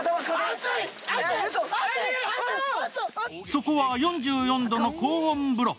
そこは４４度の高温風呂。